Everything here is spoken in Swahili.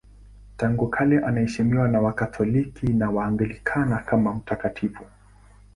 Tangu kale anaheshimiwa na Wakatoliki na Waanglikana kama mtakatifu.